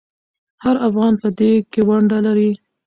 هر افغان په دې کې ونډه لري.